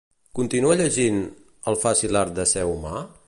"Continua llegint ""El fàcil art de ser humà"" ?"